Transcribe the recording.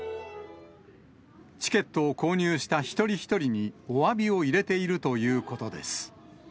チケットを購入した一人一人に、おわびを入れているということです。